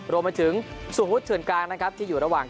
รวมมาถึงสู่ฮุทธรรมกลางนะครับที่อยู่ระหว่าง